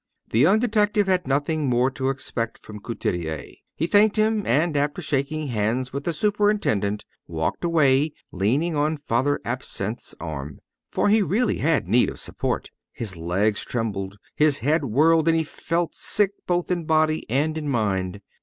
The young detective had nothing more to expect from Couturier. He thanked him, and after shaking hands with the superintendent, walked away, leaning on Father Absinthe's arm. For he really had need of support. His legs trembled, his head whirled, and he felt sick both in body and in mind.